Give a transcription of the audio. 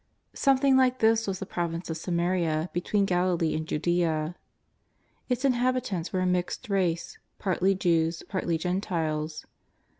Something like this was the province of Samaria be tween Galilee and Judea. Its inhabitants were a mixed race, partly Jews, partly Gentiles.